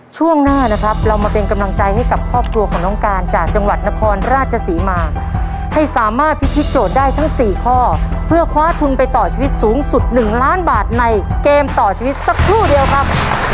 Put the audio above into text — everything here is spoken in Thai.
ช่วงหน้านะครับเรามาเป็นกำลังใจให้กับครอบครัวของน้องการจากจังหวัดนครราชศรีมาให้สามารถพิธีโจทย์ได้ทั้ง๔ข้อเพื่อคว้าทุนไปต่อชีวิตสูงสุด๑ล้านบาทในเกมต่อชีวิตสักครู่เดียวครับ